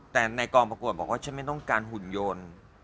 แต่ในกองประกวดบอกว่าฉันไม่ต้องการหุ่นยนต์